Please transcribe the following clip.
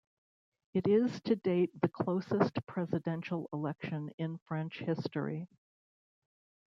It is to date the closest presidential election in French history.